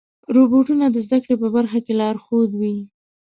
روبوټونه د زدهکړې په برخه کې لارښود وي.